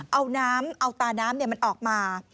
เอาน้ำเอาตาน้ำมันออกมา